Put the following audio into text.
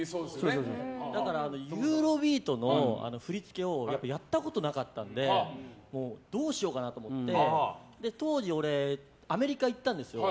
だからユーロビートの振り付けをやったことがなかったのでどうしようかなと思って当時、俺アメリカに行ったんですよ。